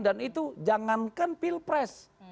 dan itu jangankan pilpres